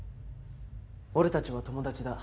俺たちは友達だ。